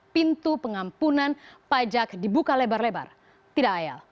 pintu pengampunan pajak dibuka lebar lebar tidak ayal